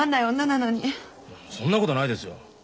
そんなことないですよ。